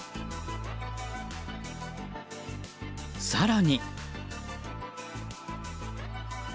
更に。